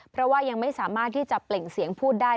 เพราะว่ายังไม่สามารถที่จะเปล่งเสียงพูดได้